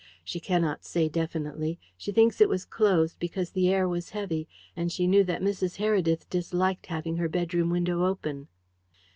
"She cannot say definitely. She thinks it was closed because the air was heavy, and she knew that Mrs. Heredith disliked having her bedroom window open."